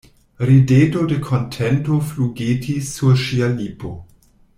Rideto de kontento flugetis sur ŝia lipo.